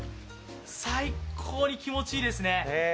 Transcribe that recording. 最高に気持ちいいですね。